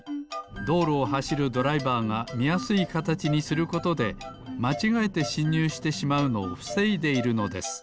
どうろをはしるドライバーがみやすいかたちにすることでまちがえてしんにゅうしてしまうのをふせいでいるのです。